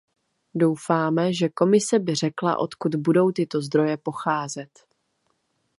Doufáme, že Komise by řekla, odkud budou tyto zdroje pocházet.